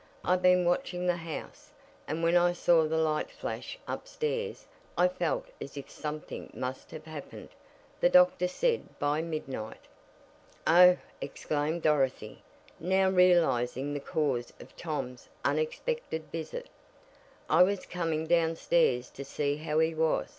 I've been watching the house, and when I saw the light flash upstairs I felt as if something must have happened. The doctor said by midnight " "Oh!" exclaimed Dorothy, now realizing the cause of Tom's unexpected visit, "I was coming downstairs to see how he was.